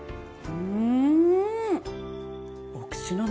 うん。